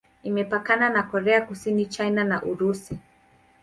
Imepakana na Korea Kusini, China na Urusi.